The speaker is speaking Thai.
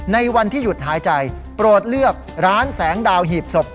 ในวันที่หยุดหายใจโปรดเลือกร้านแสงดาวหีบศพ